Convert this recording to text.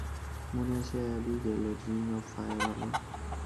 মনে আছে অ্যাবিগেলের রিং অব ফায়ার হলো?